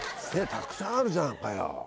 たくさんあるじゃんかよ。